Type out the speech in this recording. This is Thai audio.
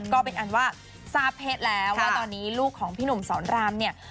ก็เป็นอันว่าทราบเพศแล้วว่าตอนนี้ลูกของพี่หนุ่มสอนรามเนี่ย